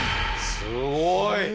すごい。